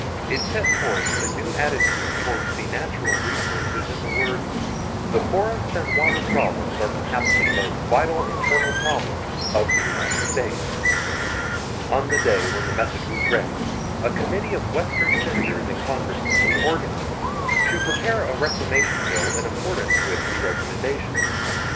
It set forth the new attitude toward the natural resources in the words: "The Forest and water problems are perhaps the most vital internal problems of the United States." On the day the message was read, a committee of Western Senators and Congressmen was organized to prepare a Reclamation Bill in accordance with the recommendations.